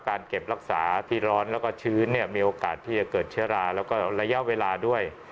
การเก็บรักษาที่ร้อนแล้วก็ชื้นเนี่ยมีโอกาสที่จะเกิดเชื้อราแล้วก็ระยะเวลาด้วย